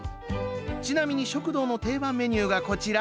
ちなみに食堂の定番メニューがこちら。